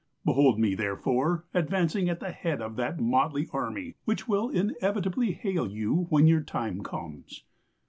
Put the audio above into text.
Behold me, therefore, advancing At the head of that motley army Which will inevitably hail you When your time comes.